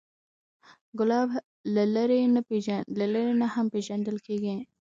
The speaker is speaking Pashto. ګلاب له لرې نه هم پیژندل کېږي.